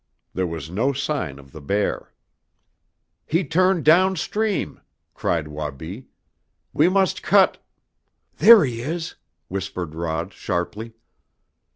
There was no sign of the bear. "He turned down stream!" cried Wabi, "We must cut " "There he is," whispered Rod sharply.